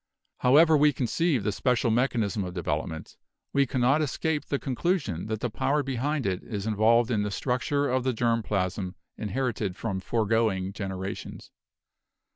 However we conceive the special mechanism of development, we cannot escape the con clusion that the power behind it is involved in the struc ture of the germ plasm inherited from foregoing genera tions.